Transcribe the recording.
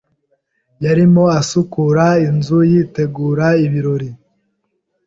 Yarimo asukura inzu yitegura ibirori.